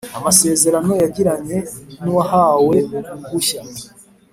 amasezerano yagiranye n uwahawe uruhushya